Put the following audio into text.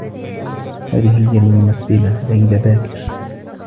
هذه هي الممثّلة ليلى باكر.